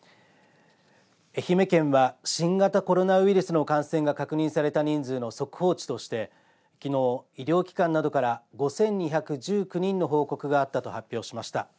愛媛県は新型コロナウイルスの感染が確認された人数の速報値としてきのう医療機関などから５２１９人の報告があったと発表しました。